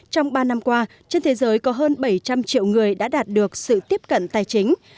trong ba năm qua trên thế giới có hơn bảy trăm linh triệu người đã đạt được sự tiếp cận tài chính